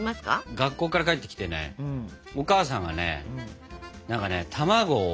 学校から帰ってきてねお母さんがねなんかね卵を。